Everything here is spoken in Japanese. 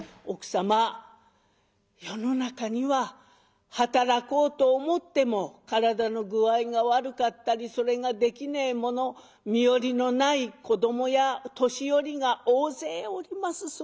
「奥様世の中には働こうと思っても体の具合が悪かったりそれができねえ者身寄りのない子どもや年寄りが大勢おります。